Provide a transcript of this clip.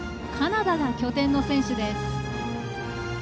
カナダが拠点の選手です。